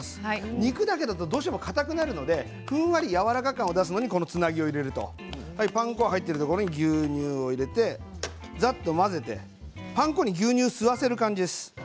肉だけだと、どうしてもかたくなるのでふんわりやわらか感を出すためにつなぎを入れるとパン粉入ってるところに牛乳を入れてざっと混ぜてパン粉に牛乳を吸わせる感じです。